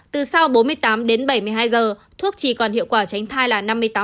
từ sau bốn mươi tám đến bảy mươi hai giờ thuốc chỉ còn hiệu quả tránh thai là năm mươi tám